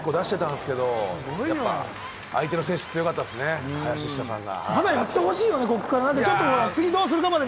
大技を結構、出してたんですけど、相手の選手強かったですね、林下さんが。